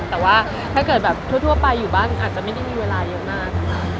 แต่ว่าถ้าเกิดแบบทั่วไปอยู่บ้านอาจจะไม่ได้มีเวลาเยอะมาก